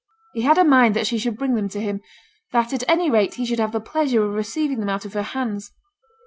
He had a mind that she should bring them to him; that, at any rate, he should have the pleasure of receiving them out of her hands.